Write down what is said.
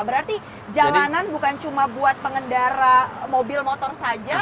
berarti jalanan bukan cuma buat pengendara mobil motor saja